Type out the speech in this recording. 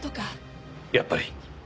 やっぱり。